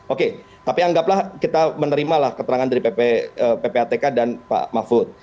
oke tapi anggaplah kita menerimalah keterangan dari ppatk dan pak mahfud